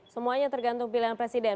semuanya tergantung pilihan presiden